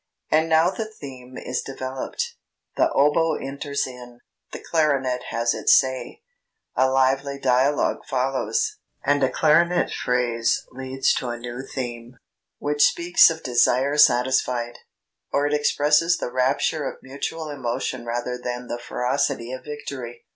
And now the theme is developed: the oboe enters in, the clarinet has its say; a lively dialogue follows, and a clarinet phrase leads to a new theme, which speaks of desire satisfied; or it expresses the rapture of mutual emotion rather than the ferocity of victory.